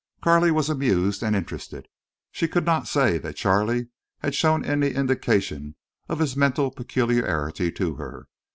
Carley was amused and interested. She could not say that Charley had shown any indication of his mental peculiarity to her.